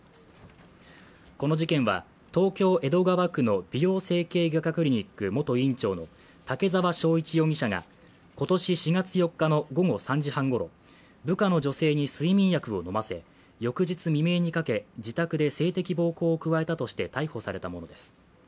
この事件は、東京・江戸川区の美容整形外科クリニック元院長の竹沢章一容疑者が今年４月４日の午後３時半ごろ部下の女性に睡眠薬を飲ませ、翌日未明にかけ自宅で性的暴行を加えたとして逮捕されたものです。